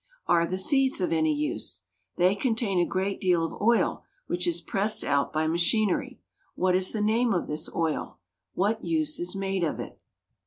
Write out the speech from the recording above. Are the seeds of any use? They contain a great deal of oil, which is pressed out by machinery. What is the name of this oil? What use is made of it?